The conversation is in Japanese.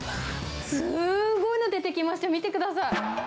すごーいの出てきましたよ、見てください。